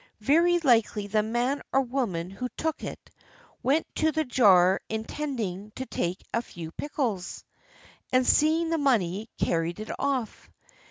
Very likely the man or woman who took it went to the jar intending to take a few pickles, and seeing the money, carried it off.